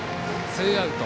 ツーアウト。